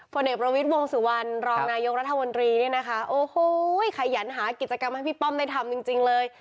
เอกประวิทย์วงสุวรรณรองนายกรัฐมนตรีเนี่ยนะคะโอ้โหขยันหากิจกรรมให้พี่ป้อมได้ทำจริงเลย